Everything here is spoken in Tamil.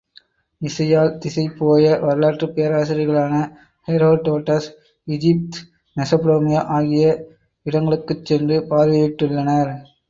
இசையால் திசை போய வரலாற்றுப் பேராசிரியர்களான ஹெரோடோடஸ் ஈஜீப்த், மெஸப்பட்டோமியா ஆகிய இடங்களுக்குச் சென்று பார்வையிட்டுள்ளனர்.